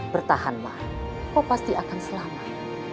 bertahanlah kau pasti akan selamat